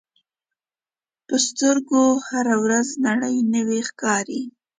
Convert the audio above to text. په سترګو هره ورځ نړۍ نوې ښکاري